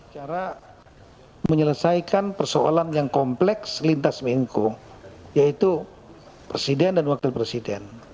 cara menyelesaikan persoalan yang kompleks lintas menko yaitu presiden dan wakil presiden